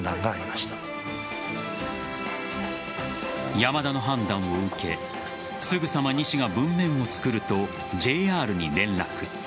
山田の判断を受けすぐさま西が文面を作るとＪＲに連絡。